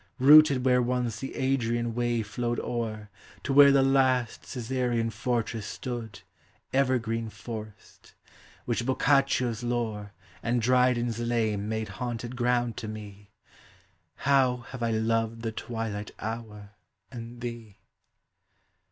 Rooted where once the Adrian wave flowed o'er To where the last Cesarean fortress stood, Evergreen forest; which Boccaccio's lore And Dry den's lay made haunted ground to me, How have I loved the twilight hour and thee!